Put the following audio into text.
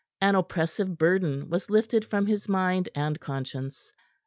An oppressive burden was lifted from his mind and conscience.